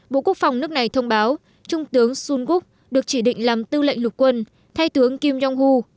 bộ quốc phòng nước này thông báo trung tướng sun wook được chỉ định làm tư lệnh lục quân thay tướng kim jong un